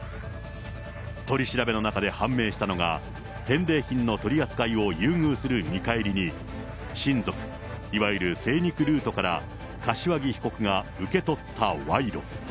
取り調べの中で判明したのが、返礼品の取り扱いを優遇する見返りに、親族、いわゆる精肉ルートから柏木被告が受け取った賄賂。